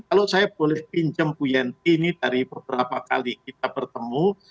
kalau saya boleh pinjam puyenti ini dari beberapa kali kita bertemu